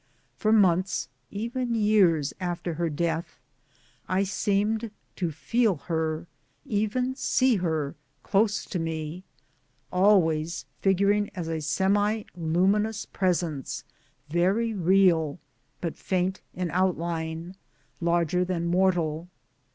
For months, even years, after her death, I seemed to feel her, even see her, close to me always figuring as a semi luminous presence, very real, but faint in outline, larger than mortal.